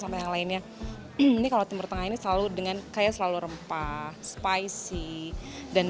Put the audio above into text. sama yang lainnya ini kalau timur tengah ini selalu dengan kayak selalu rempah spicy dan